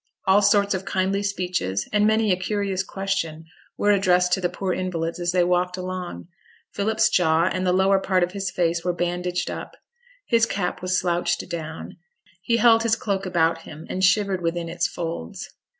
All sorts of kindly speeches, and many a curious question, were addressed to the poor invalids as they walked along. Philip's jaw, and the lower part of his face, were bandaged up; his cap was slouched down; he held his cloak about him, and shivered within its folds.